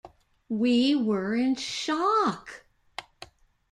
We were in shock!